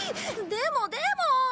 でもでも。